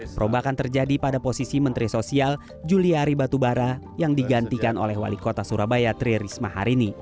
perombakan terjadi pada posisi menteri sosial juliari batubara yang digantikan oleh wali kota surabaya tri risma hari ini